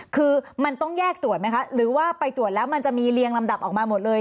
คือมันต้องแยกตรวจไหมคะหรือว่าไปตรวจแล้วมันจะมีเรียงลำดับออกมาหมดเลย